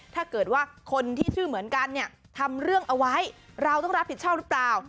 ถ้าเกิดว่าคนที่ชื่อเหมือนกันเนี่ยทำเรื่องเอาไว้เราต้องรับผิดชอบหรือเปล่า